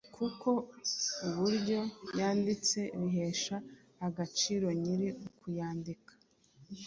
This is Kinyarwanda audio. kuko uburyo yanditse bihesha agaciro nyiri ukuyandika